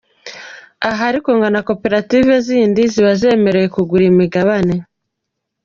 Aha ariko ngo na koperative zindi zizaba zemerewe kugura imigabane.